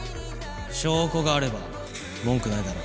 証拠があれば文句ないだろ。